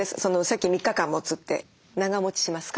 さっき３日間もつって長もちしますか？